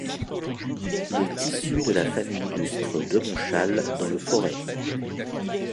Il est issu de la famille illustre de Montchal dans le Forez.